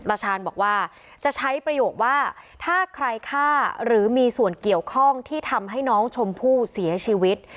ชาญบอกว่าจะใช้ประโยคว่าถ้าใครฆ่าหรือมีส่วนเกี่ยวข้องที่ทำให้น้องชมพู่เสียชีวิต